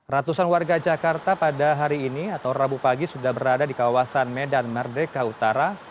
ratusan warga jakarta pada hari ini atau rabu pagi sudah berada di kawasan medan merdeka utara